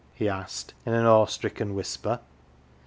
he asked, in an awe stricken whisper.